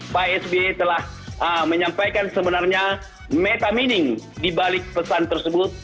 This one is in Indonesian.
pak sby telah menyampaikan sebenarnya metamining dibalik pesan tersebut